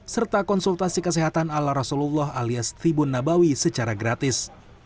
serta konsultasi kesehatan ala rasulullah alias tribun nabawi secara gratis